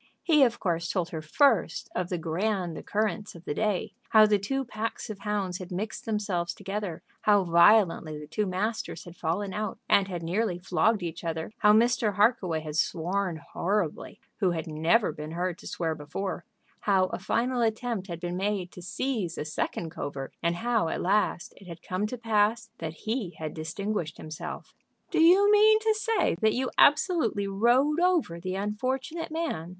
He of course told her first of the grand occurrence of the day, how the two packs of hounds had mixed themselves together, how violently the two masters had fallen out and had nearly flogged each other, how Mr. Harkaway had sworn horribly, who had never been heard to swear before, how a final attempt had been made to seize a second covert, and how, at last, it had come to pass that he had distinguished himself. "Do you mean to say that you absolutely rode over the unfortunate man?"